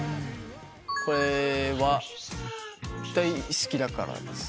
これは大好きだからです。